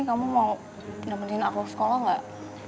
kamu mau nemenin aku sekolah gak